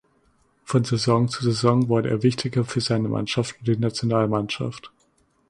Von Saison zu Saison wurde er wichtiger für seine Mannschaft und die Nationalmannschaft.